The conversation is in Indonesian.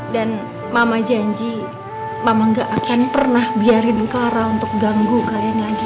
dan mama janji mama gak akan pernah biarin clara untuk ganggu kalian lagi